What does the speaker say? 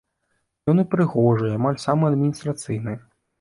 Ён і прыгожы, і амаль самы адміністрацыйны.